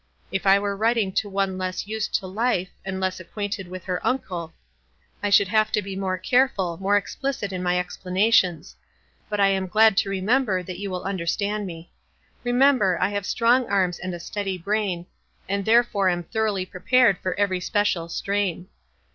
If I were writing to one less used to life, and less acquainted with her uncle, I should have to be more careful, more explicit in my explanations ; but I am glad to remember that you will understand me. Re member, I have strong arms and a steady brain, and therefore am thoroughly prepared for any special strain.